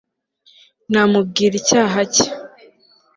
namubwira icyaha cye